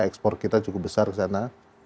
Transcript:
ekspor kita cukup besar ke sana